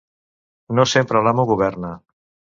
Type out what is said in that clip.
No sempre l'amo governa.